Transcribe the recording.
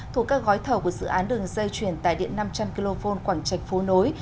thuộc các gói thầu của dự án đường dây chuyển tại điện năm trăm linh kv quảng trạch phố nối